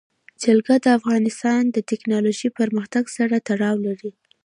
جلګه د افغانستان د تکنالوژۍ پرمختګ سره تړاو لري.